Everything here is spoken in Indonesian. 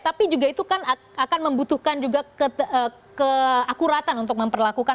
tapi juga itu kan akan membutuhkan juga keakuratan untuk memperlakukan